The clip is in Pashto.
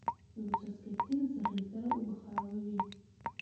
یو څاڅکی تیل زر لیتره اوبه خرابوی